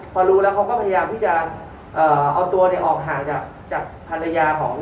พอรู้แล้วเขาก็พยายามที่จะเอาตัวเนี่ยออกห่างจากภรรยาของ